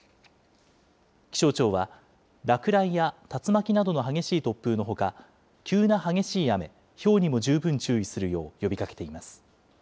気象庁は、落雷や竜巻などの激しい突風のほか、急な激しい雨、ひょうにも十分注意するよう呼びかけています。